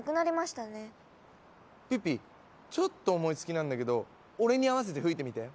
ピッピちょっと思いつきなんだけど俺に合わせて吹いてみて！